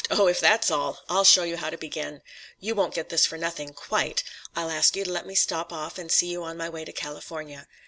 "Oh, if that's all, I'll show you how to begin. You won't get this for nothing, quite. I'll ask you to let me stop off and see you on my way to California.